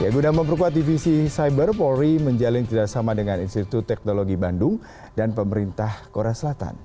kedua polri menjalin kerjasama dengan institu teknologi bandung dan pemerintah korea selatan